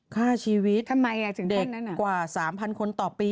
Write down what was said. ฆ่าชีวิตเด็กกว่า๓๐๐๐คนต่อปี